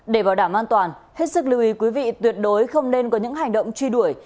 để bảo đảm an toàn hết sức lưu ý quý vị tuyệt đối không nên có những hành động truy đuổi